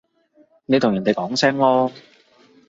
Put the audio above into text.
你同人哋講聲囉